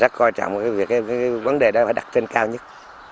thì rất coi trọng cái việc cái vấn đề đó phải đặt trên cao nhất